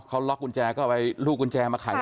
เขาล็อกกุญแจก็เอาไปลูกกุญแจมาขัง